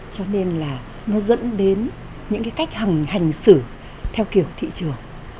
cho nên là nó dẫn đến những cách hành xử theo kiểu thị trường